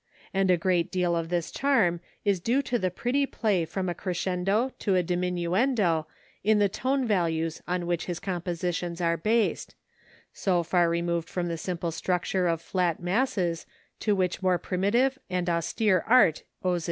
And a great deal of this charm is due to the pretty play from a crescendo to a diminuendo in the tone values on which his compositions are based so far removed from the simple structure of flat masses to which more primitive and austere art owes its power.